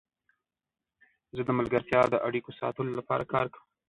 زه د ملګرتیا د اړیکو ساتلو لپاره کار کوم.